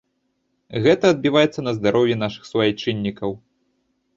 Гэта адбіваецца на здароўі нашых суайчыннікаў.